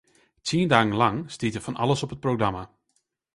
Tsien dagen lang stiet der fan alles op it programma.